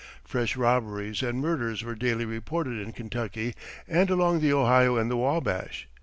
Fresh robberies and murders were daily reported in Kentucky, and along the Ohio and the Wabash.